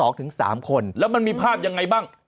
ถึง๓คนแล้วมันมีภาพยังไงบ้าง